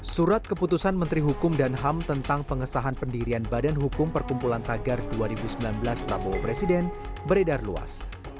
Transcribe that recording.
surat keputusan menteri hukum dan ham tentang pengesahan pendirian badan hukum perkumpulan tagar dua ribu sembilan belas prabowo presiden beredar luas